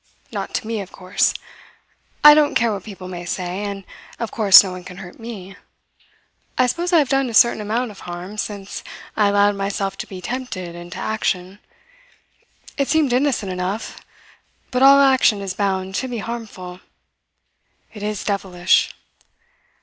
Not to me, of course. I don't care what people may say, and of course no one can hurt me. I suppose I have done a certain amount of harm, since I allowed myself to be tempted into action. It seemed innocent enough, but all action is bound to be harmful. It is devilish.